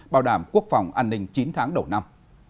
bảo đảm quốc phòng an ninh chín tháng đầu năm